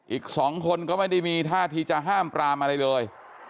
อีก๒คนก็ไม่ได้มีท่าทีจะห้ามปรามอะไรเลย